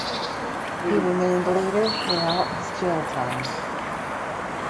He remained leader throughout his jail time.